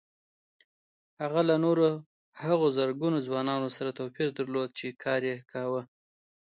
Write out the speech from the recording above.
هغه له نورو هغو زرګونه ځوانانو سره توپير درلود چې کار يې کاوه.